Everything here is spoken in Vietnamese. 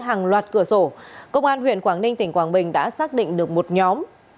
hàng loạt cửa sổ công an huyện quảng ninh tỉnh quảng bình đã xác định được một nhóm